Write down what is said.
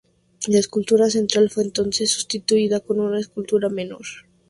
La escultura central fue entonces sustituida con una escultura menor.